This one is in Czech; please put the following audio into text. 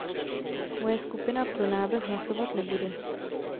Moje skupina pro návrh hlasovat nebude.